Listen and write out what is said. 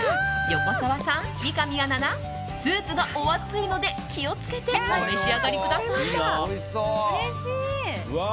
横澤さん、三上アナスープがお熱いので気を付けてお召し上がりください！